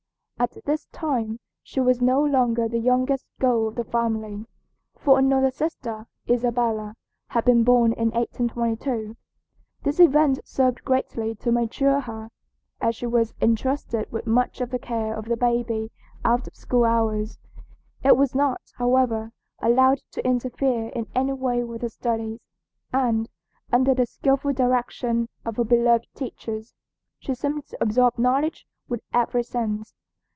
At this time she was no longer the youngest girl of the family, for another sister (Isabella) had been born in 1822. This event served greatly to mature her, as she was intrusted with much of the care of the baby out of school hours. It was not, however, allowed to interfere in any way with her studies, and, under the skillful direction of her beloved teachers, she seemed to absorb knowledge with every sense.